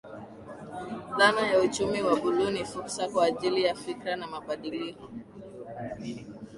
Dhana ya uchumi wa buluu ni fursa kwa ajili ya fikra na mabadiliko